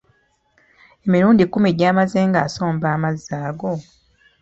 Emirundi kkumi gy'amaze nga asomba amazzi ago.